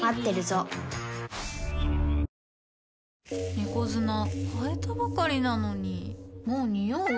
猫砂替えたばかりなのにもうニオう？